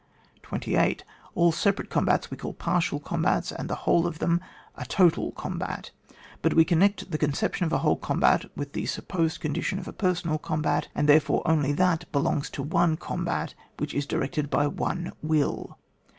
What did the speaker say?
28. All separate combats we call partial combats, and the whole of them a « total combat; but we connect the concep tion of a whole combat with the sup posed condition of a personal command, and therefore only that belongs to one combat which is directed by one will.